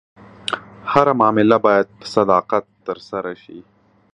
هره معامله باید په صداقت ترسره شي.